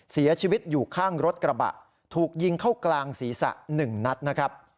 เสียชีวิตอยู่ข้างรถกระบะถูกยิงเข้ากลางศีรษะ๑นัดนะครับ